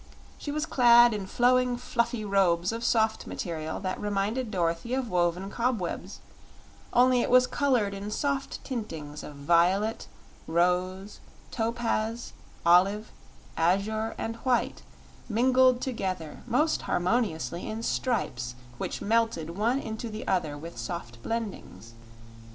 She was clad in flowing, fluffy robes of soft material that reminded Dorothy of woven cobwebs, only it was colored in soft tintings of violet, rose, topaz, olive, azure, and white, mingled together most harmoniously in stripes which melted one into the other with soft blendings.